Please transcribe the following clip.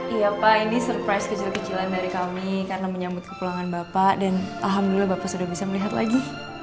iya pak ini surprise kecil kecilan dari kami karena menyambut kepulangan bapak dan alhamdulillah bapak sudah bisa melihat lagi